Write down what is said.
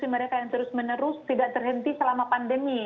mereka yang terus menerus tidak terhenti selama pandemi